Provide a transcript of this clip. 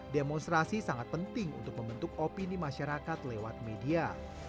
demonstrasi sangat penting untuk membentuk opini masyarakat lewat media